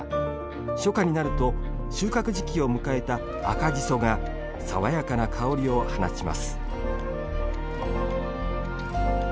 初夏になると収穫時期を迎えた赤じそが爽やかな香りを放ちます。